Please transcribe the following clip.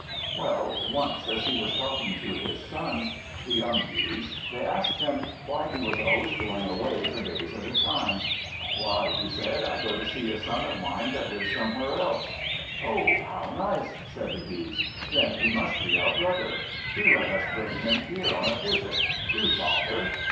Well, once as he was talking to his sons, the young Geese, they asked him why he was always going away for days at a time. "Why," said he, "I go to see a son of mine that lives somewhere else." "Oh, how nice!" said the Geese. "Then he must be our brother. Do let us bring him here on a visit! Do, father!"